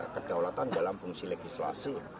kedaulatan dalam fungsi legislasi